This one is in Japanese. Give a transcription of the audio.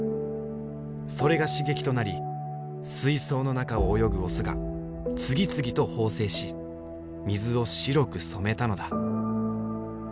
それが刺激となり水槽の中を泳ぐオスが次々と放精し水を白く染めたのだ。